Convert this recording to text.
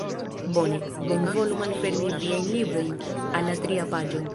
Bone. Bonvolu malfermi viajn librojn al la tria paĝo.